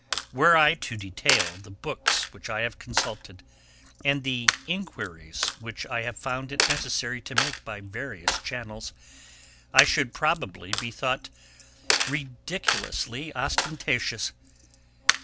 Were I to detail the books which I have consulted, and the inquiries which I have found it necessary to make by various channels, I should probably be thought ridiculously ostentatious.